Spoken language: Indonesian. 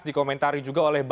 dikomentari juga oleh bapak